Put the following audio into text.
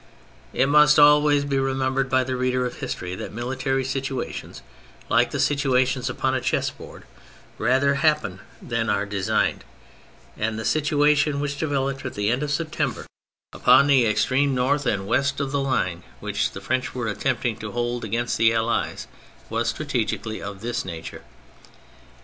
It must always be remembered by the reader of history that military situations, like the situations upon a chess board, rather happen than are designed; and the situation which developed at the end of September upon the THE MILITARY ASPECT 187 188 THE FRENCH REVOLUTION extreme north and west of the line which the French were attempting to hold against the Allies was strategically of this nature.